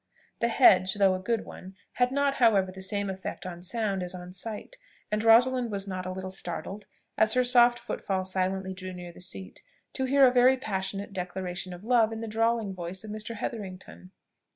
The hedge, though a good one, had not however the same effect on sound as on sight, and Rosalind was not a little startled, as her soft footfall silently drew near the seat, to hear a very passionate declaration of love in the drawling voice of Mr. Hetherington.